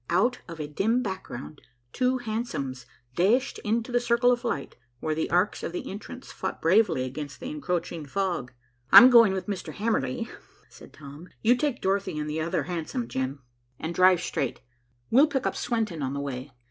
Out of a dim background two hansoms dashed into the circle of light where the arcs of the entrance fought bravely against the encroaching fog. "I'm going with Mr. Hamerly," said Tom. "You take Dorothy in the other hansom, Jim, and drive straight. We'll pick up Swenton on the way.